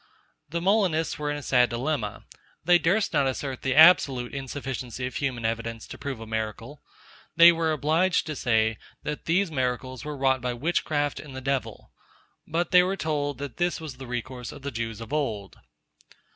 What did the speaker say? The Molinists were in a sad dilemma. They durst not assert the absolute insufficiency of human evidence, to prove a miracle. They were obliged to say, that these miracles were wrought by witchcraft and the devil. But they were told, that this was the resource of the Jews of old.